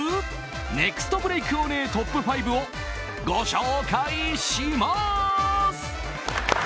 ネクストブレークオネエトップ５をご紹介します。